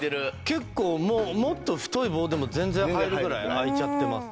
結構もうもっと太い棒でも全然入るぐらいあいちゃってます。